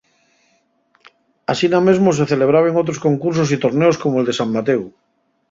Asina mesmo se celebraben otros concursos y torneos como'l de San Matéu.